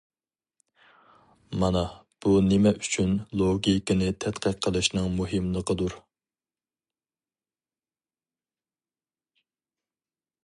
مانا بۇ نېمە ئۈچۈن لوگىكىنى تەتقىق قىلىشنىڭ مۇھىملىقىدۇر.